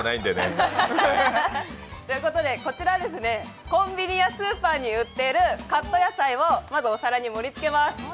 こちらコンビニやスーパーに売っているカット野菜をまず、お皿に盛り付けます。